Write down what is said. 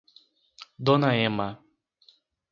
Dona Emma